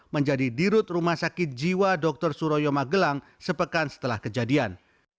menjadi dirut rumah sakit jiwa dr suroyo magelang sepekan setelah kejadian